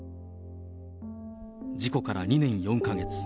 事故から２年４か月。